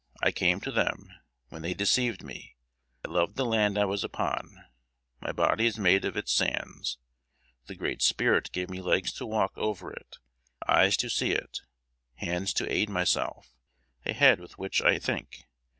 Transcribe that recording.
I came to them, when they deceived me. I loved the land I was upon; my body is made of its sands. The Great Spirit gave me legs to walk over it; eyes to see it; hands to aid myself; a head with which I think.